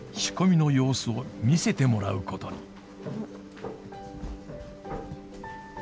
仕込みの様子を見せてもらうことに。